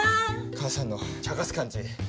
母さんのちゃかす感じ